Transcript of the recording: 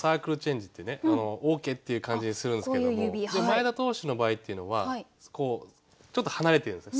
「オーケー」っていう感じにするんですけども前田投手の場合っていうのはちょっと離れてるんですね。